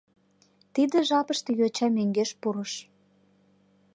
Тиде жапыште йоча мӧҥгеш пурыш.